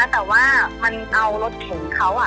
แต่ว่ามันเอารถเข็นเขา